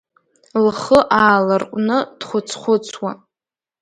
Лхы ааларҟәны, дхәыц-хәыцуа.